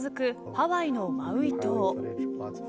ハワイのマウイ島。